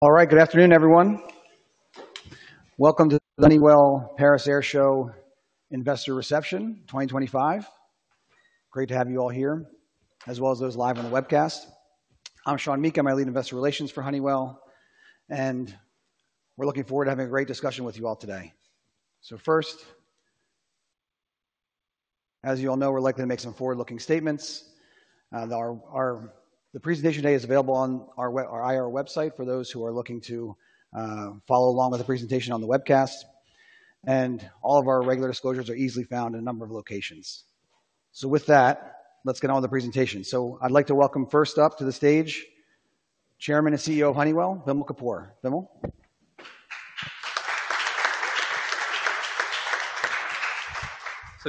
All right, good afternoon, everyone. Welcome to the Honeywell Paris Air Show Investor Reception 2025. Great to have you all here, as well as those live on the webcast. I'm Sean Meakim. I lead investor relations for Honeywell, and we're looking forward to having a great discussion with you all today. First, as you all know, we're likely to make some forward-looking statements. The presentation today is available on our IR website for those who are looking to follow along with the presentation on the webcast, and all of our regular disclosures are easily found in a number of locations. With that, let's get on with the presentation. I'd like to welcome first up to the stage Chairman and CEO of Honeywell, Vimal Kapur. Vimal.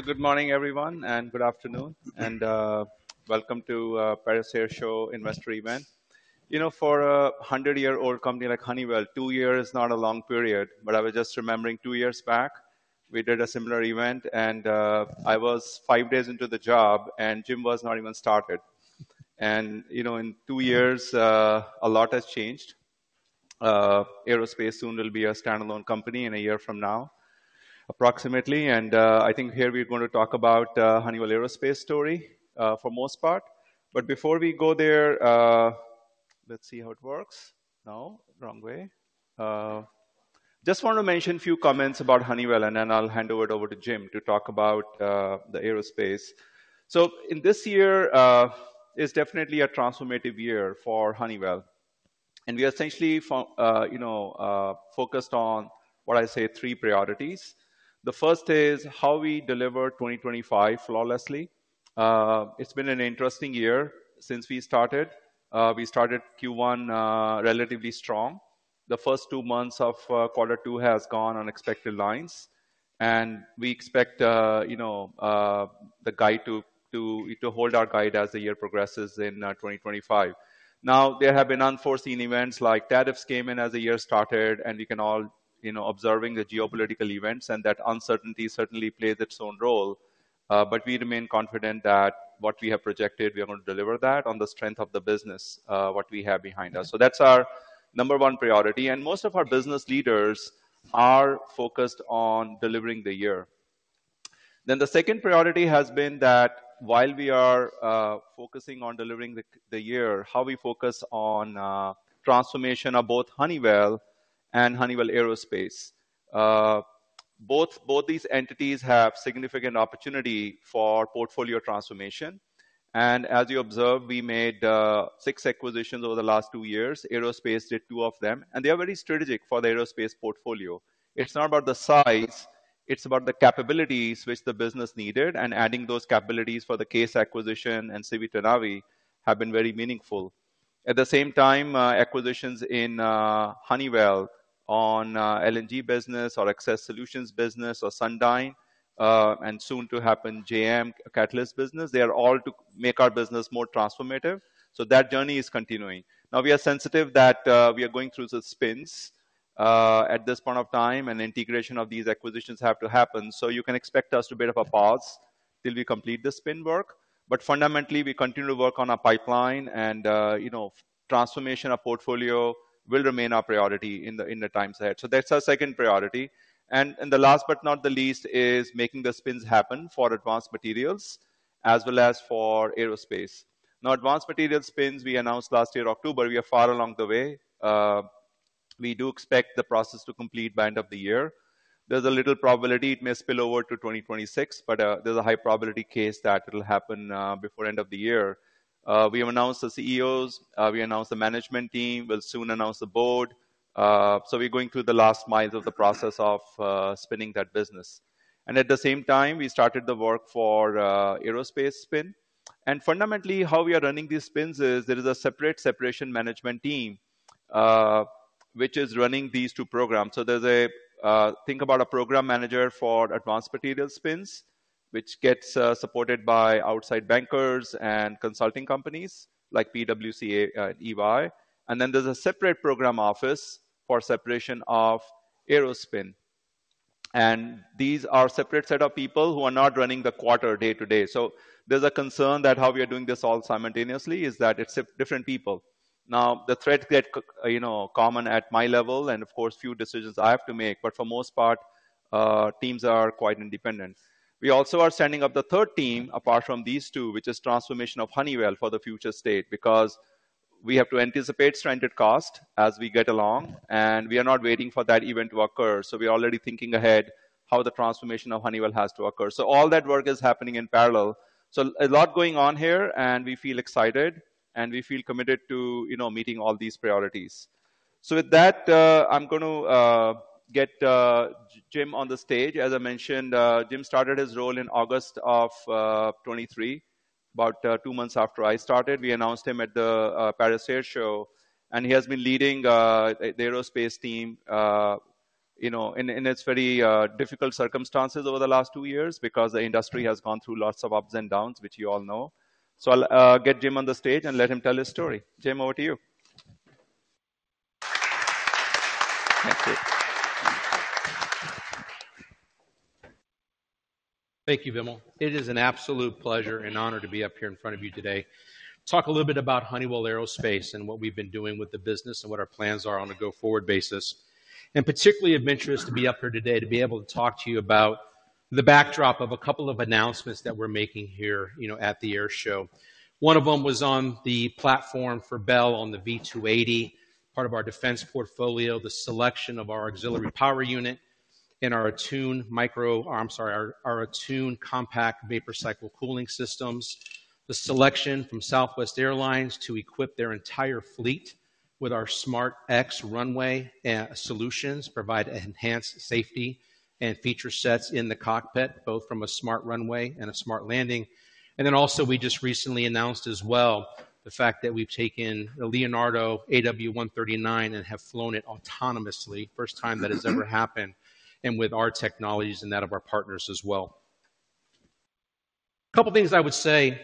Good morning, everyone, and good afternoon, and welcome to the Paris Air Show investor event. You know, for a 100-year-old company like Honeywell, two years is not a long period, but I was just remembering two years back, we did a similar event, and I was five days into the job, and Jim was not even started. You know, in two years, a lot has changed. Aerospace soon will be a standalone company in a year from now, approximately, and I think here we're going to talk about the Honeywell Aerospace story for the most part. Before we go there, let's see how it works. No, wrong way. Just want to mention a few comments about Honeywell, and then I'll hand it over to Jim to talk about the aerospace. This year is definitely a transformative year for Honeywell, and we essentially focused on, what I say, three priorities. The first is how we deliver 2025 flawlessly. It's been an interesting year since we started. We started Q1 relatively strong. The first two months of quarter two have gone on expected lines, and we expect the guide to hold our guide as the year progresses in 2025. Now, there have been unforeseen events like tariffs came in as the year started, and we can all be observing the geopolitical events, and that uncertainty certainly plays its own role, but we remain confident that what we have projected, we are going to deliver that on the strength of the business, what we have behind us. That's our number one priority, and most of our business leaders are focused on delivering the year. The second priority has been that while we are focusing on delivering the year, how we focus on transformation of both Honeywell and Honeywell Aerospace. Both these entities have significant opportunity for portfolio transformation, and as you observe, we made six acquisitions over the last two years. Aerospace did two of them, and they are very strategic for the aerospace portfolio. It's not about the size, it's about the capabilities which the business needed, and adding those capabilities for the CAES acquisition and Civitanavi have been very meaningful. At the same time, acquisitions in Honeywell on LNG business or Excess Solutions business or Sundyne, and soon to happen JM Catalyst business, they are all to make our business more transformative. That journey is continuing. Now, we are sensitive that we are going through some spins at this point of time, and integration of these acquisitions have to happen, so you can expect us to be at a pause till we complete the spin work. Fundamentally, we continue to work on our pipeline, and transformation of portfolio will remain our priority in the time ahead. That is our second priority. Last but not the least is making the spins happen for advanced materials as well as for aerospace. Now, advanced materials spins we announced last year in October, we are far along the way. We do expect the process to complete by the end of the year. There is a little probability it may spill over to 2026, but there is a high probability case that it will happen before the end of the year. We have announced the CEOs, we announced the management team, we will soon announce the board. We are going through the last miles of the process of spinning that business. At the same time, we started the work for aerospace spin. Fundamentally, how we are running these spins is there is a separate separation management team which is running these two programs. There is a thing about a program manager for advanced materials spins, which gets supported by outside bankers and consulting companies like PwC and EY, and then there is a separate program office for separation of aerospace spin. These are a separate set of people who are not running the quarter day-to-day. There is a concern that how we are doing this all simultaneously is that it is different people. Now, the threat that is common at my level, and of course, a few decisions I have to make, but for the most part, teams are quite independent. We also are sending up the third team apart from these two, which is transformation of Honeywell for the future state because we have to anticipate stranded cost as we get along, and we are not waiting for that event to occur. We are already thinking ahead how the transformation of Honeywell has to occur. All that work is happening in parallel. A lot going on here, and we feel excited, and we feel committed to meeting all these priorities. With that, I'm going to get Jim on the stage. As I mentioned, Jim started his role in August of 2023, about two months after I started. We announced him at the Paris Air Show, and he has been leading the aerospace team in its very difficult circumstances over the last two years because the industry has gone through lots of ups and downs, which you all know. I'll get Jim on the stage and let him tell his story. Jim, over to you. Thank you. Thank you, Vimal. It is an absolute pleasure and honor to be up here in front of you today. Talk a little bit about Honeywell Aerospace and what we've been doing with the business and what our plans are on a go-forward basis. Particularly of interest to be up here today to be able to talk to you about the backdrop of a couple of announcements that we're making here at the air show. One of them was on the platform for Bell on the V280, part of our defense portfolio, the selection of our auxiliary power unit and our ATUM compact vapor cycle cooling systems. The selection from Southwest Airlines to equip their entire fleet with our SmartX runway solutions provides enhanced safety and feature sets in the cockpit, both from a smart runway and a smart landing. We just recently announced as well the fact that we have taken the Leonardo AW139 and have flown it autonomously, first time that has ever happened, and with our technologies and that of our partners as well. A couple of things I would say.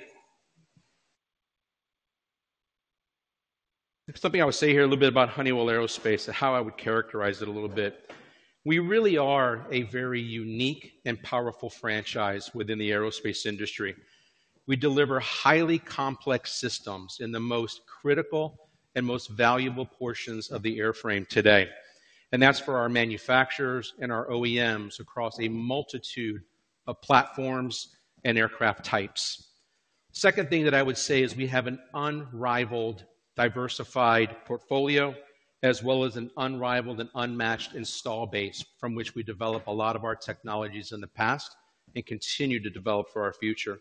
Something I would say here a little bit about Honeywell Aerospace and how I would characterize it a little bit. We really are a very unique and powerful franchise within the aerospace industry. We deliver highly complex systems in the most critical and most valuable portions of the airframe today. That is for our manufacturers and our OEMs across a multitude of platforms and aircraft types. Second thing that I would say is we have an unrivaled, diversified portfolio, as well as an unrivaled and unmatched install base from which we develop a lot of our technologies in the past and continue to develop for our future.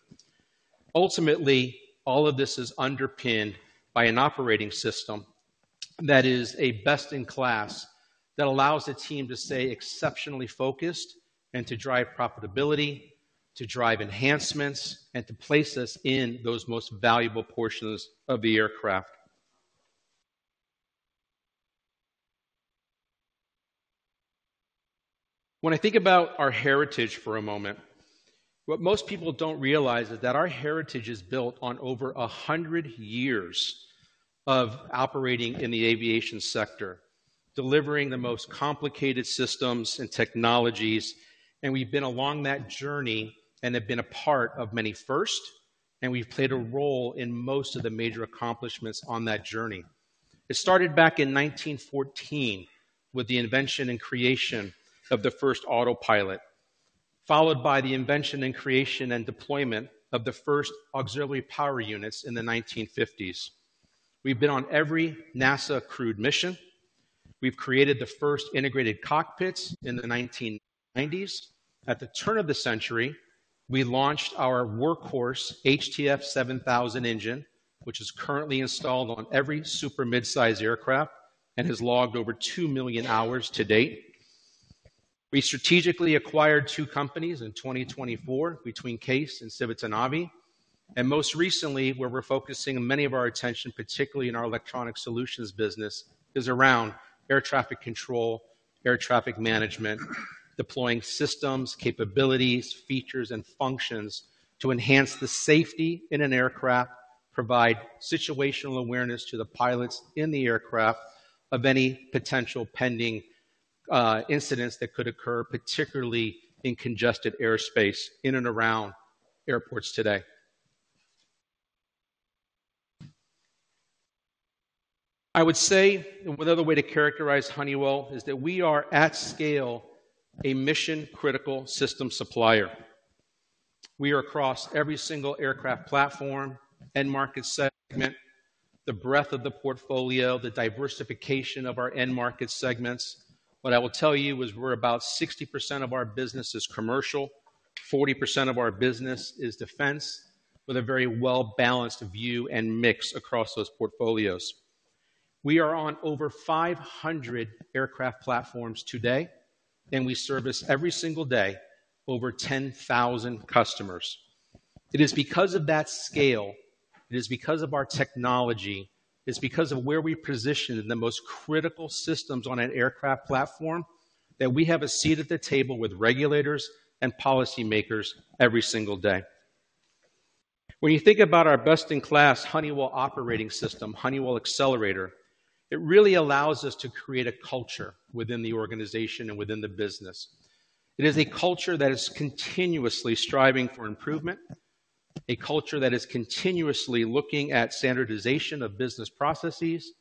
Ultimately, all of this is underpinned by an operating system that is a best-in-class that allows the team to stay exceptionally focused and to drive profitability, to drive enhancements, and to place us in those most valuable portions of the aircraft. When I think about our heritage for a moment, what most people don't realize is that our heritage is built on over 100 years of operating in the aviation sector, delivering the most complicated systems and technologies, and we've been along that journey and have been a part of many firsts, and we've played a role in most of the major accomplishments on that journey. It started back in 1914 with the invention and creation of the first autopilot, followed by the invention and creation and deployment of the first auxiliary power units in the 1950s. We've been on every NASA crewed mission. We've created the first integrated cockpits in the 1990s. At the turn of the century, we launched our workhorse HTF 7000 engine, which is currently installed on every super mid-size aircraft and has logged over 2 million hours to date. We strategically acquired two companies in 2024 between CAES and Civitanavi, and most recently, where we're focusing many of our attention, particularly in our electronic solutions business, is around air traffic control, air traffic management, deploying systems, capabilities, features, and functions to enhance the safety in an aircraft, provide situational awareness to the pilots in the aircraft of any potential pending incidents that could occur, particularly in congested airspace in and around airports today. I would say another way to characterize Honeywell is that we are, at scale, a mission-critical system supplier. We are across every single aircraft platform, end market segment, the breadth of the portfolio, the diversification of our end market segments. What I will tell you is we're about 60% of our business is commercial, 40% of our business is defense, with a very well-balanced view and mix across those portfolios. We are on over 500 aircraft platforms today, and we service every single day over 10,000 customers. It is because of that scale, it is because of our technology, it is because of where we position the most critical systems on an aircraft platform that we have a seat at the table with regulators and policymakers every single day. When you think about our best-in-class Honeywell operating system, Honeywell Accelerator, it really allows us to create a culture within the organization and within the business. It is a culture that is continuously striving for improvement, a culture that is continuously looking at standardization of business processes,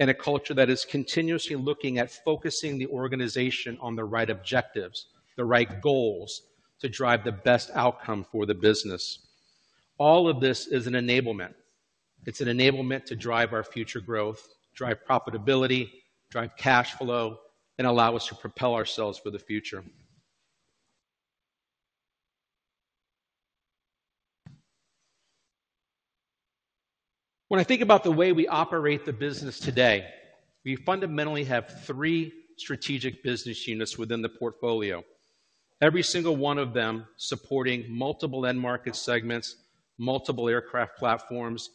and a culture that is continuously looking at focusing the organization on the right objectives, the right goals to drive the best outcome for the business. All of this is an enablement. It's an enablement to drive our future growth, drive profitability, drive cash flow, and allow us to propel ourselves for the future. When I think about the way we operate the business today, we fundamentally have three strategic business units within the portfolio, every single one of them supporting multiple end market segments, multiple aircraft platforms,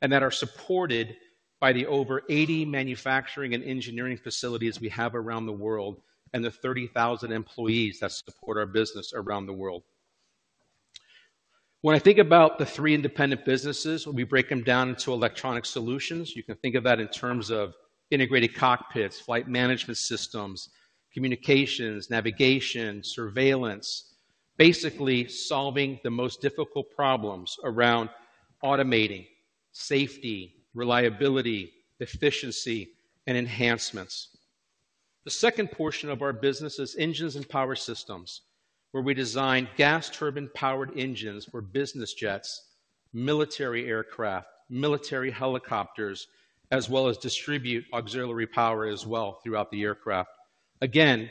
and that are supported by the over 80 manufacturing and engineering facilities we have around the world and the 30,000 employees that support our business around the world. When I think about the three independent businesses, we break them down into electronic solutions. You can think of that in terms of integrated cockpits, flight management systems, communications, navigation, surveillance, basically solving the most difficult problems around automating, safety, reliability, efficiency, and enhancements. The second portion of our business is engines and power systems, where we design gas turbine-powered engines for business jets, military aircraft, military helicopters, as well as distribute auxiliary power as well throughout the aircraft. Again,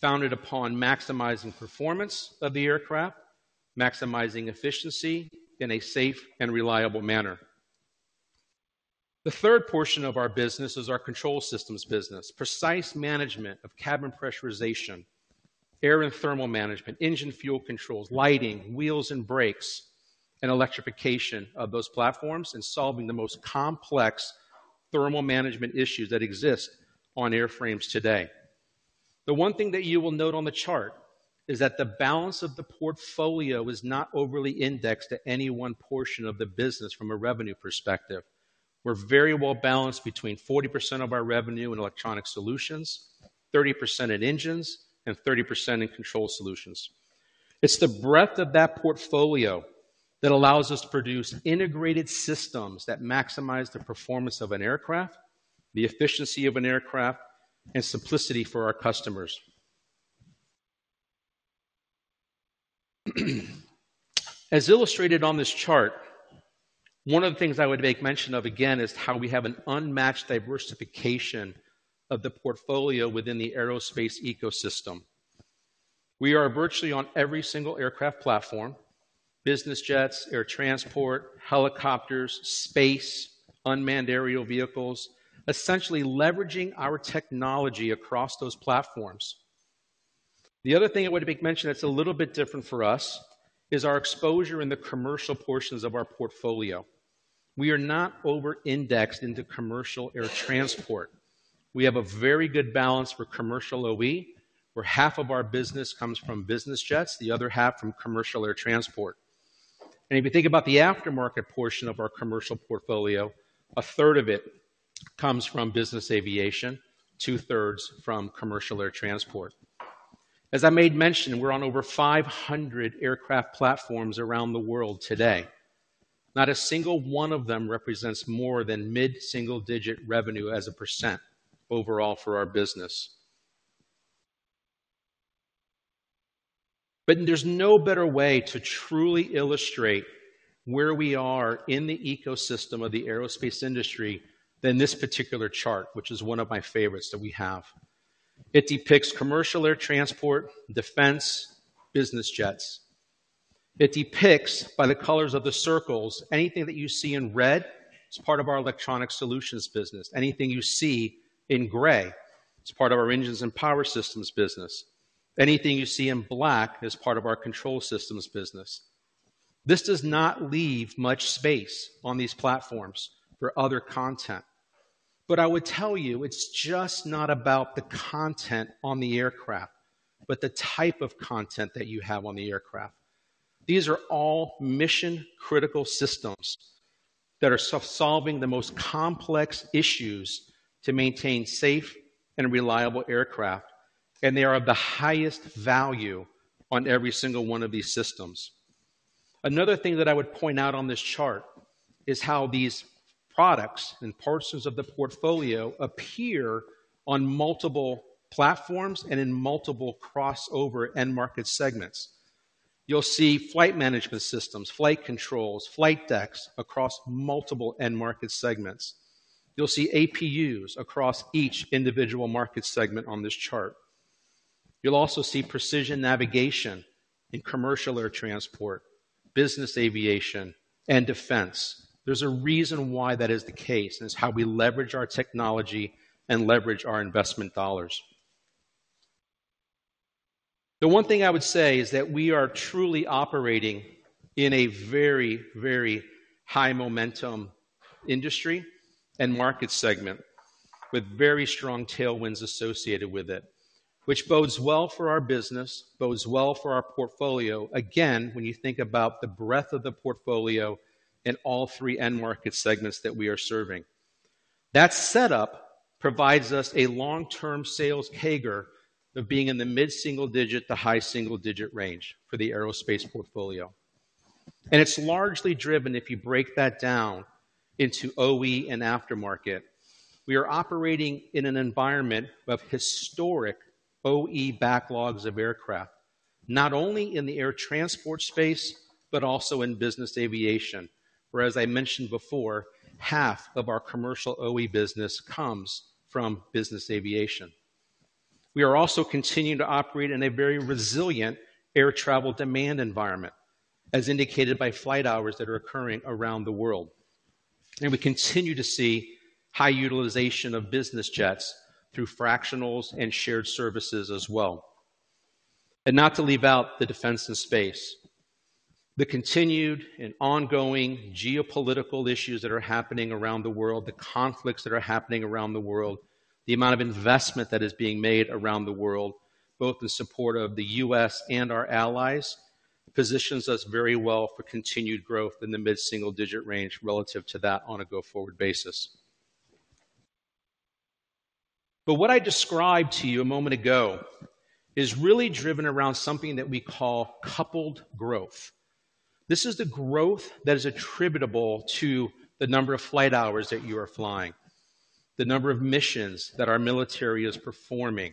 founded upon maximizing performance of the aircraft, maximizing efficiency in a safe and reliable manner. The third portion of our business is our control systems business, precise management of cabin pressurization, air and thermal management, engine fuel controls, lighting, wheels and brakes, and electrification of those platforms and solving the most complex thermal management issues that exist on airframes today. The one thing that you will note on the chart is that the balance of the portfolio is not overly indexed to any one portion of the business from a revenue perspective. We're very well balanced between 40% of our revenue in electronic solutions, 30% in engines, and 30% in control solutions. It's the breadth of that portfolio that allows us to produce integrated systems that maximize the performance of an aircraft, the efficiency of an aircraft, and simplicity for our customers. As illustrated on this chart, one of the things I would make mention of again is how we have an unmatched diversification of the portfolio within the aerospace ecosystem. We are virtually on every single aircraft platform, business jets, air transport, helicopters, space, unmanned aerial vehicles, essentially leveraging our technology across those platforms. The other thing I would make mention that's a little bit different for us is our exposure in the commercial portions of our portfolio. We are not over-indexed into commercial air transport. We have a very good balance for commercial OE, where half of our business comes from business jets, the other half from commercial air transport. If you think about the aftermarket portion of our commercial portfolio, a third of it comes from business aviation, two-thirds from commercial air transport. As I made mention, we're on over 500 aircraft platforms around the world today. Not a single one of them represents more than mid-single-digit revenue as a % overall for our business. There's no better way to truly illustrate where we are in the ecosystem of the aerospace industry than this particular chart, which is one of my favorites that we have. It depicts commercial air transport, defense, business jets. It depicts, by the colors of the circles, anything that you see in red is part of our electronic solutions business. Anything you see in gray is part of our engines and power systems business. Anything you see in black is part of our control systems business. This does not leave much space on these platforms for other content. I would tell you, it's just not about the content on the aircraft, but the type of content that you have on the aircraft. These are all mission-critical systems that are solving the most complex issues to maintain safe and reliable aircraft, and they are of the highest value on every single one of these systems. Another thing that I would point out on this chart is how these products and portions of the portfolio appear on multiple platforms and in multiple crossover end market segments. You'll see flight management systems, flight controls, flight decks across multiple end market segments. You'll see APUs across each individual market segment on this chart. You'll also see precision navigation in commercial air transport, business aviation, and defense. There's a reason why that is the case, and it's how we leverage our technology and leverage our investment dollars. The one thing I would say is that we are truly operating in a very, very high momentum industry and market segment with very strong tailwinds associated with it, which bodes well for our business, bodes well for our portfolio. Again, when you think about the breadth of the portfolio and all three end market segments that we are serving, that setup provides us a long-term sales CAGR of being in the mid-single-digit to high single-digit range for the aerospace portfolio. It's largely driven, if you break that down into OE and aftermarket. We are operating in an environment of historic OE backlogs of aircraft, not only in the air transport space, but also in business aviation, where, as I mentioned before, half of our commercial OE business comes from business aviation. We are also continuing to operate in a very resilient air travel demand environment, as indicated by flight hours that are occurring around the world. We continue to see high utilization of business jets through fractionals and shared services as well. Not to leave out the defense and space, the continued and ongoing geopolitical issues that are happening around the world, the conflicts that are happening around the world, the amount of investment that is being made around the world, both in support of the U.S. and our allies, positions us very well for continued growth in the mid-single-digit range relative to that on a go-forward basis. What I described to you a moment ago is really driven around something that we call coupled growth. This is the growth that is attributable to the number of flight hours that you are flying, the number of missions that our military is performing,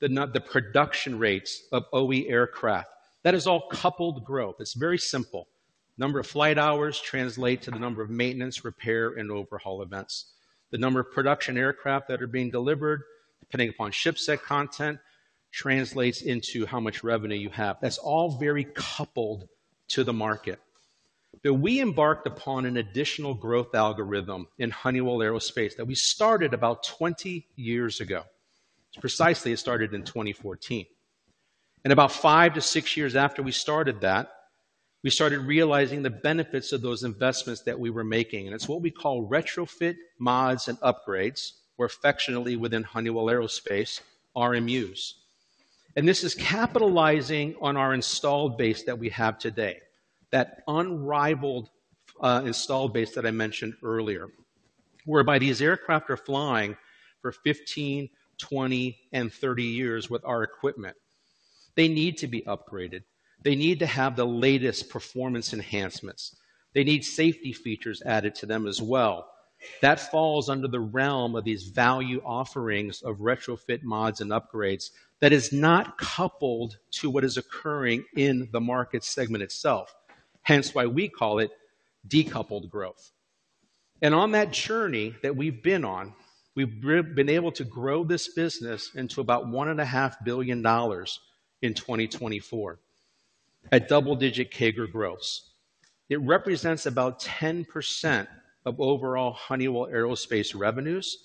the production rates of OE aircraft. That is all coupled growth. It's very simple. Number of flight hours translates to the number of maintenance, repair, and overhaul events. The number of production aircraft that are being delivered, depending upon ship set content, translates into how much revenue you have. That's all very coupled to the market. We embarked upon an additional growth algorithm in Honeywell Aerospace that we started about 20 years ago. Precisely, it started in 2014. About five to six years after we started that, we started realizing the benefits of those investments that we were making. It is what we call retrofit, mods, and upgrades, or affectionately within Honeywell Aerospace, RMUs. This is capitalizing on our installed base that we have today, that unrivaled installed base that I mentioned earlier, whereby these aircraft are flying for 15, 20, and 30 years with our equipment. They need to be upgraded. They need to have the latest performance enhancements. They need safety features added to them as well. That falls under the realm of these value offerings of retrofit, mods, and upgrades that is not coupled to what is occurring in the market segment itself, hence why we call it decoupled growth. On that journey that we have been on, we have been able to grow this business into about $1.5 billion in 2024, at double-digit CAGR growths. It represents about 10% of overall Honeywell Aerospace revenues.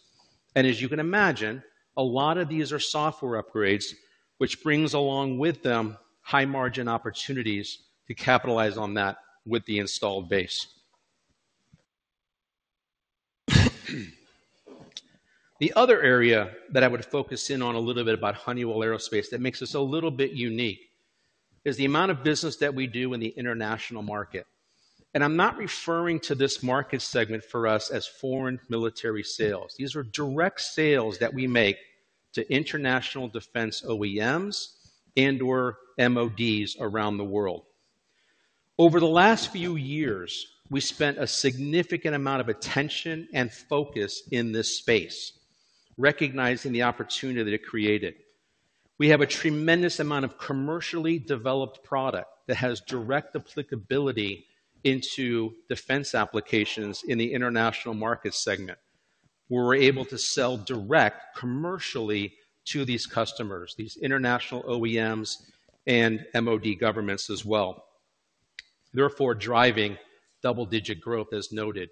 As you can imagine, a lot of these are software upgrades, which brings along with them high-margin opportunities to capitalize on that with the installed base. The other area that I would focus in on a little bit about Honeywell Aerospace that makes us a little bit unique is the amount of business that we do in the international market. I'm not referring to this market segment for us as foreign military sales. These are direct sales that we make to international defense OEMs and/or MODs around the world. Over the last few years, we spent a significant amount of attention and focus in this space, recognizing the opportunity that it created. We have a tremendous amount of commercially developed product that has direct applicability into defense applications in the international market segment, where we're able to sell direct commercially to these customers, these international OEMs and MOD governments as well, therefore driving double-digit growth, as noted.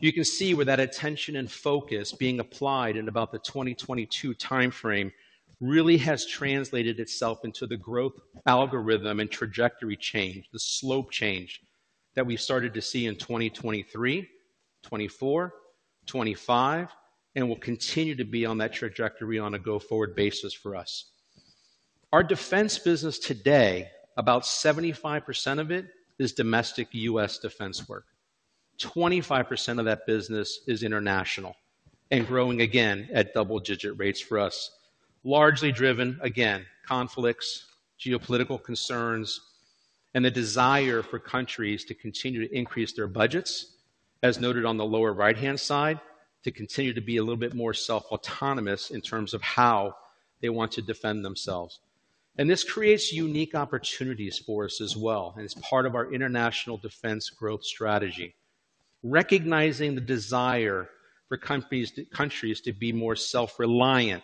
You can see where that attention and focus being applied in about the 2022 timeframe really has translated itself into the growth algorithm and trajectory change, the slope change that we've started to see in 2023, 2024, 2025, and will continue to be on that trajectory on a go-forward basis for us. Our defense business today, about 75% of it is domestic U.S. defense work. 25% of that business is international and growing again at double-digit rates for us, largely driven, again, conflicts, geopolitical concerns, and the desire for countries to continue to increase their budgets, as noted on the lower right-hand side, to continue to be a little bit more self-autonomous in terms of how they want to defend themselves. This creates unique opportunities for us as well and is part of our international defense growth strategy, recognizing the desire for countries to be more self-reliant,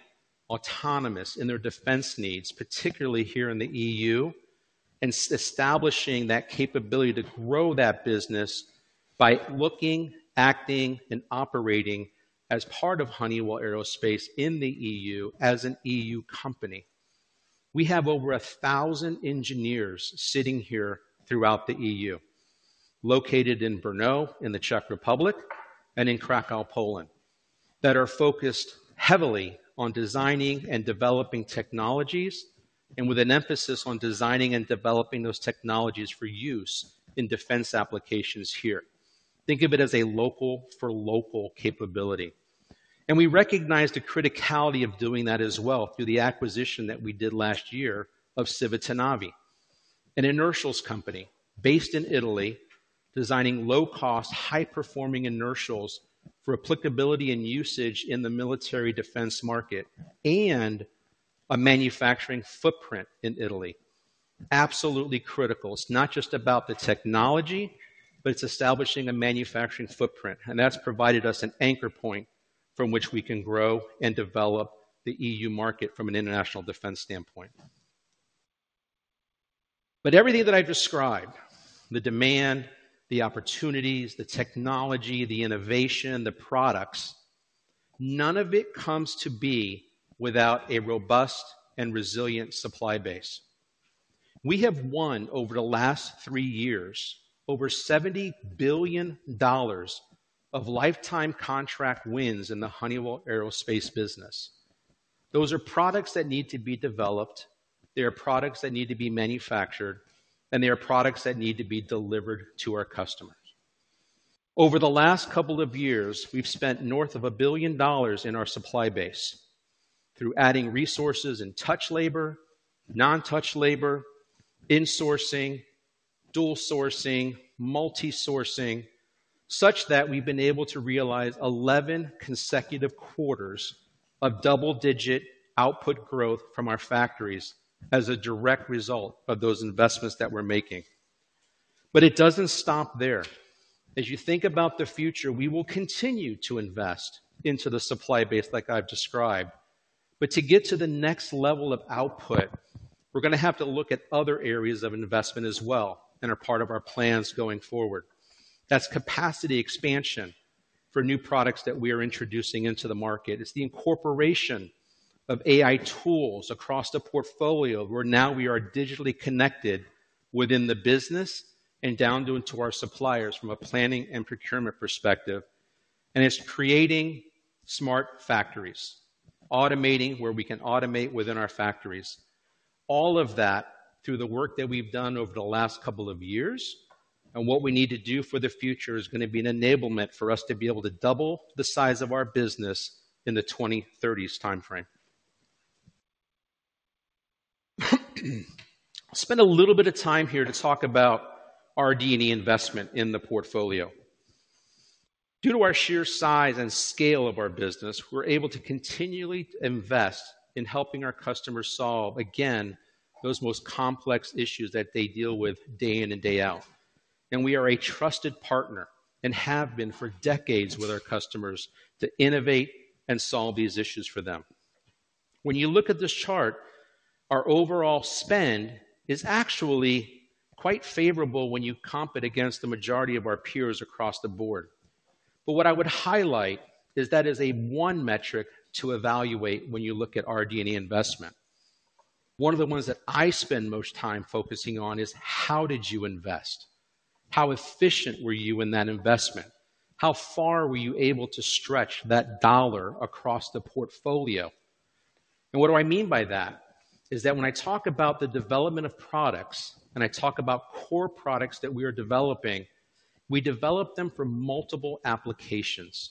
autonomous in their defense needs, particularly here in the EU, and establishing that capability to grow that business by looking, acting, and operating as part of Honeywell Aerospace in the EU as an EU company. We have over 1,000 engineers sitting here throughout the EU, located in Brno in the Czech Republic and in Krakow, Poland, that are focused heavily on designing and developing technologies and with an emphasis on designing and developing those technologies for use in defense applications here. Think of it as a local-for-local capability. We recognize the criticality of doing that as well through the acquisition that we did last year of Civitanavi, an inertials company based in Italy, designing low-cost, high-performing inertials for applicability and usage in the military defense market and a manufacturing footprint in Italy. Absolutely critical. It's not just about the technology, but it's establishing a manufacturing footprint. That has provided us an anchor point from which we can grow and develop the EU market from an international defense standpoint. Everything that I described, the demand, the opportunities, the technology, the innovation, the products, none of it comes to be without a robust and resilient supply base. We have won over the last three years over $70 billion of lifetime contract wins in the Honeywell Aerospace business. Those are products that need to be developed. They are products that need to be manufactured, and they are products that need to be delivered to our customers. Over the last couple of years, we've spent north of $1 billion in our supply base through adding resources and touch labor, non-touch labor, insourcing, dual sourcing, multi-sourcing, such that we've been able to realize 11 consecutive quarters of double-digit output growth from our factories as a direct result of those investments that we're making. It doesn't stop there. As you think about the future, we will continue to invest into the supply base like I've described. To get to the next level of output, we're going to have to look at other areas of investment as well that are part of our plans going forward. That's capacity expansion for new products that we are introducing into the market. It's the incorporation of AI tools across the portfolio where now we are digitally connected within the business and down into our suppliers from a planning and procurement perspective. It's creating smart factories, automating where we can automate within our factories. All of that through the work that we've done over the last couple of years. What we need to do for the future is going to be an enablement for us to be able to double the size of our business in the 2030s timeframe. I'll spend a little bit of time here to talk about our D&E investment in the portfolio. Due to our sheer size and scale of our business, we're able to continually invest in helping our customers solve, again, those most complex issues that they deal with day in and day out. We are a trusted partner and have been for decades with our customers to innovate and solve these issues for them. When you look at this chart, our overall spend is actually quite favorable when you comp it against the majority of our peers across the board. What I would highlight is that is one metric to evaluate when you look at our D&E investment. One of the ones that I spend most time focusing on is how did you invest? How efficient were you in that investment? How far were you able to stretch that dollar across the portfolio? What do I mean by that is that when I talk about the development of products and I talk about core products that we are developing, we develop them for multiple applications,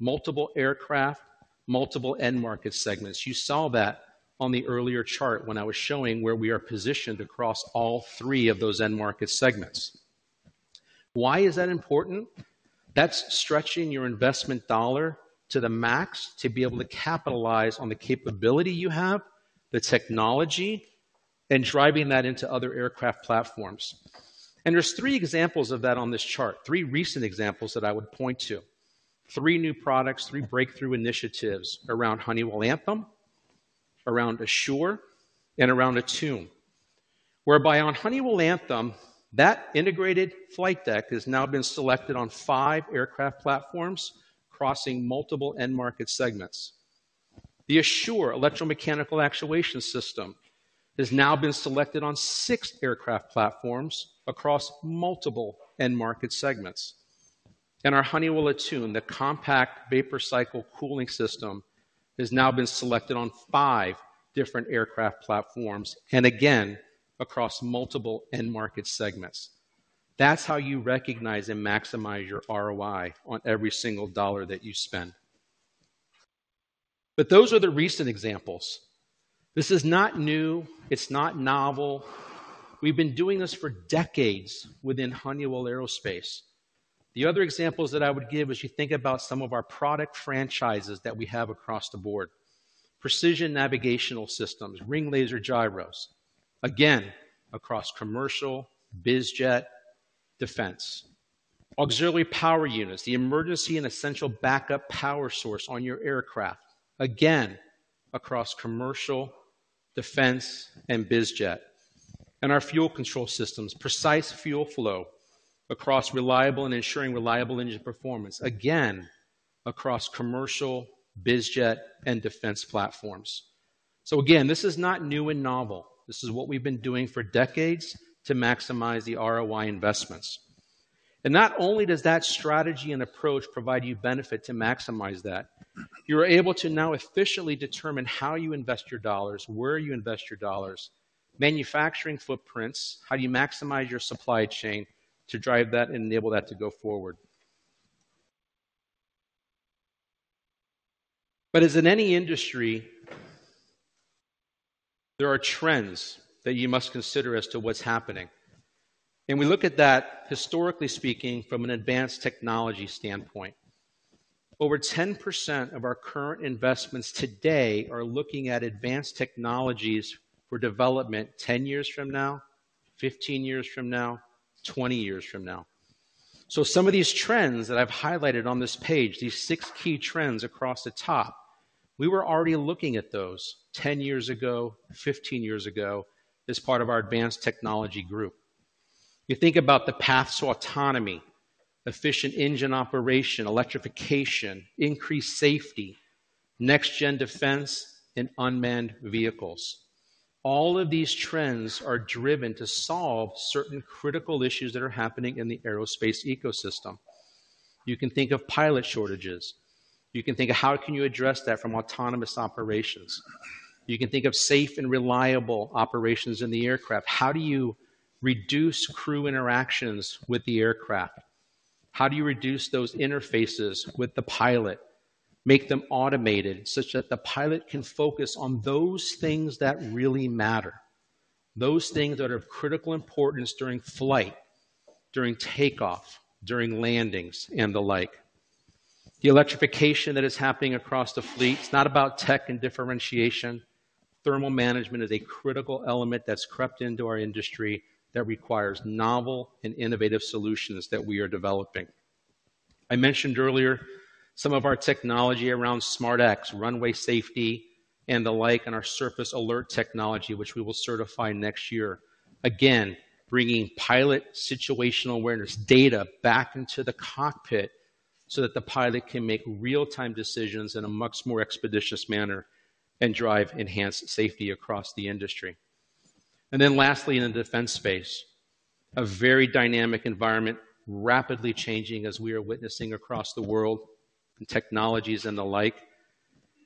multiple aircraft, multiple end market segments. You saw that on the earlier chart when I was showing where we are positioned across all three of those end market segments. Why is that important? That is stretching your investment dollar to the max to be able to capitalize on the capability you have, the technology, and driving that into other aircraft platforms. There are three examples of that on this chart, three recent examples that I would point to, three new products, three breakthrough initiatives around Honeywell Anthem, around ASURE, and around ATUM, whereby on Honeywell Anthem, that integrated flight deck has now been selected on five aircraft platforms crossing multiple end market segments. The ASURE electromechanical actuation system has now been selected on six aircraft platforms across multiple end market segments. Our Honeywell ATUM, the compact vapor cycle cooling system, has now been selected on five different aircraft platforms and again across multiple end market segments. That is how you recognize and maximize your ROI on every single dollar that you spend. Those are the recent examples. This is not new. It is not novel. We have been doing this for decades within Honeywell Aerospace. The other examples that I would give as you think about some of our product franchises that we have across the board, precision navigational systems, ring laser gyros, again across commercial, biz jet, defense, auxiliary power units, the emergency and essential backup power source on your aircraft, again across commercial, defense, and biz jet, and our fuel control systems, precise fuel flow across reliable and ensuring reliable engine performance, again across commercial, biz jet, and defense platforms. This is not new and novel. This is what we've been doing for decades to maximize the ROI investments. Not only does that strategy and approach provide you benefit to maximize that, you're able to now efficiently determine how you invest your dollars, where you invest your dollars, manufacturing footprints, how do you maximize your supply chain to drive that and enable that to go forward. As in any industry, there are trends that you must consider as to what's happening. We look at that, historically speaking, from an advanced technology standpoint. Over 10% of our current investments today are looking at advanced technologies for development 10 years from now, 15 years from now, 20 years from now. Some of these trends that I've highlighted on this page, these six key trends across the top, we were already looking at those 10 years ago, 15 years ago as part of our advanced technology group. You think about the path to autonomy, efficient engine operation, electrification, increased safety, next-gen defense, and unmanned vehicles. All of these trends are driven to solve certain critical issues that are happening in the aerospace ecosystem. You can think of pilot shortages. You can think of how can you address that from autonomous operations. You can think of safe and reliable operations in the aircraft. How do you reduce crew interactions with the aircraft? How do you reduce those interfaces with the pilot? Make them automated such that the pilot can focus on those things that really matter, those things that are of critical importance during flight, during takeoff, during landings, and the like. The electrification that is happening across the fleet is not about tech and differentiation. Thermal management is a critical element that has crept into our industry that requires novel and innovative solutions that we are developing. I mentioned earlier some of our technology around SmartX, runway safety, and the like on our surface alert technology, which we will certify next year. Again, bringing pilot situational awareness data back into the cockpit so that the pilot can make real-time decisions in a much more expeditious manner and drive enhanced safety across the industry. Lastly, in the defense space, a very dynamic environment, rapidly changing as we are witnessing across the world and technologies and the like,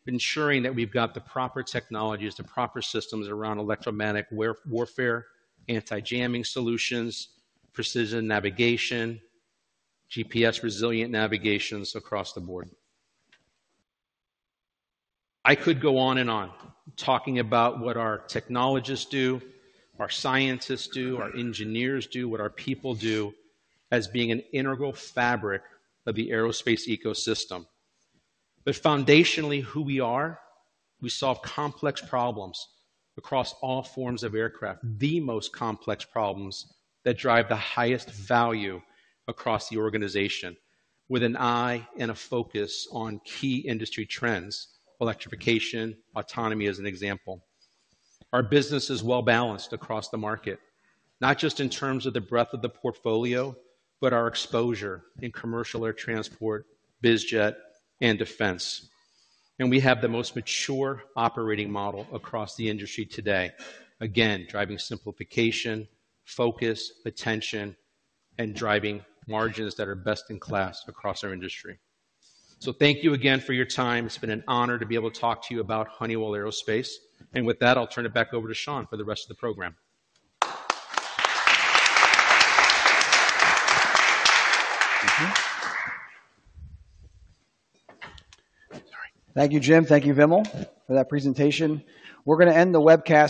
ensuring that we have the proper technologies, the proper systems around electromagnetic warfare, anti-jamming solutions, precision navigation, GPS-resilient navigations across the board. I could go on and on talking about what our technologists do, our scientists do, our engineers do, what our people do as being an integral fabric of the aerospace ecosystem. Foundationally, who we are, we solve complex problems across all forms of aircraft, the most complex problems that drive the highest value across the organization with an eye and a focus on key industry trends, electrification, autonomy as an example. Our business is well-balanced across the market, not just in terms of the breadth of the portfolio, but our exposure in commercial air transport, biz jet, and defense. We have the most mature operating model across the industry today, again, driving simplification, focus, attention, and driving margins that are best in class across our industry. Thank you again for your time. It's been an honor to be able to talk to you about Honeywell Aerospace. With that, I'll turn it back over to Sean for the rest of the program. Thank you. Thank you, Jim. Thank you, Vimal, for that presentation. We're going to end the webcast.